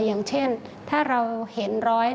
อย่างเช่นถ้าเราเห็น๑๕